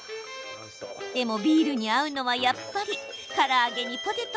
でも、ビールに合うのはやっぱりから揚げにポテト。